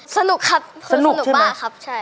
สนุกครับคือสนุกบ้างครับ